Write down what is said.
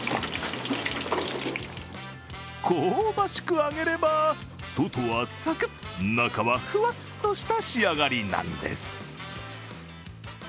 香ばしく揚げれば、外はサクッ中はふわっとした仕上がりなんです。